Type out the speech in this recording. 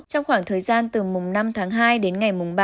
trong khoảng thời gian từ mùng năm tháng hai đến ngày mùng ba